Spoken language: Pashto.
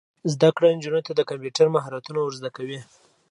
زده کړه نجونو ته د کمپیوټر مهارتونه ور زده کوي.